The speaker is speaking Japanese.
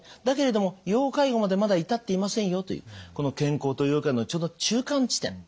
だけれども要介護までまだ至っていませんよというこの健康と要介護のちょうど中間地点。